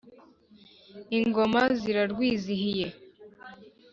ingoma zirarwizihiye.